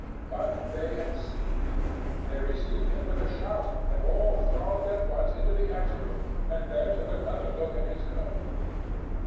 But they had seen him. They received him with a shout, and all thronged at once into the ante room, and there took another look at his cloak.